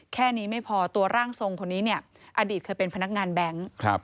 แค่นี้ไม่พอตัวร่างทรงคนนี้เนี่ยอดีตเคยเป็นพนักงานแบงค์